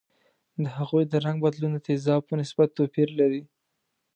د هغوي د رنګ بدلون د تیزابو په نسبت توپیر لري.